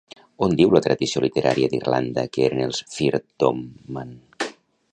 On diu la tradició literària d'Irlanda que eren els Fir Domnann?